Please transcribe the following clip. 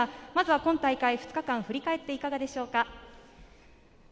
今大会、２日間振り返っていかがでしょうか？